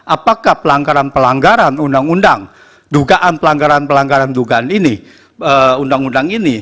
apakah pelanggaran pelanggaran undang undang dugaan pelanggaran pelanggaran dugaan ini undang undang ini